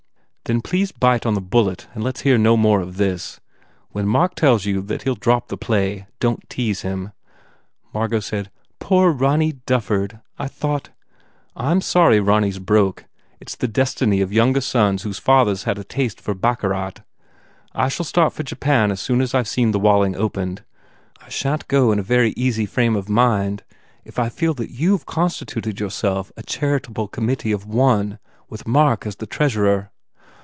"Then please bite on the bullet and let s hear no more of this. When Mark tells you he ll drop the play, don t tease him." Margot said, "Poor Ronny Dufford! I thought" "I m sorry Ronny s broke. It s the destiny of younger sons whose fathers had a taste for bac carat. I shall start for Japan as soon as I ve seen the Walling opened. I shan t go in a very easy frame of mind if I feel that you ve con stituted yourself a charitable committee of one with Mark as treasurer."